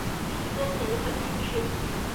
一直对铁路有兴趣。